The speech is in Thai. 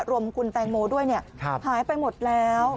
รวมคุณแตงโมด้วยหายไปหมดแล้ว